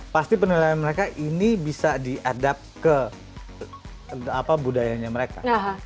pasti penilaian mereka ini bisa diadap ke budayanya mereka